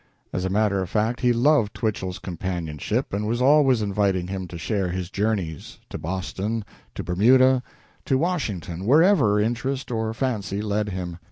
As a matter of fact, he loved Twichell's companionship, and was always inviting him to share his journeys to Boston, to Bermuda, to Washington wherever interest or fancy led him.